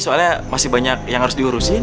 soalnya masih banyak yang harus diurusin